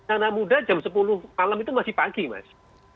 anak muda jam sepuluh malam itu masih pagi mas